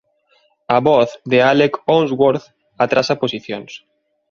A voz de Alec Ounsworth atrasa posicións.